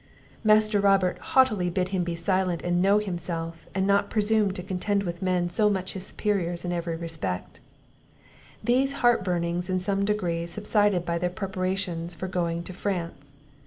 Master Robert haughtily bid him be silent and know himself, and not presume to contend with men so much his superiors in every respect. These heart burnings in some degree subsided by their preparations for going to France.